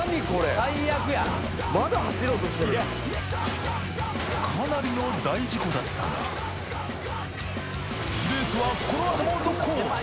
最悪やまだ走ろうとしてるかなりの大事故だったがレースはこのあとも続行！